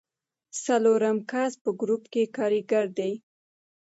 څلورم کس په ګروپ کې کاریګر دی.